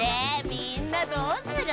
みんなどうする？